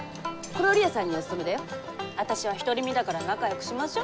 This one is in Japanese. あたしは独り身だから仲よくしましょ。